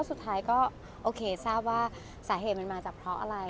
สุดท้ายก็โอเคทราบว่าสาเหตุมันมาจากเพราะอะไร